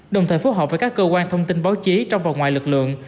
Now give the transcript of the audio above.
đồng thời phối hợp với các cơ quan thông tin báo chí trong và ngoài lực lượng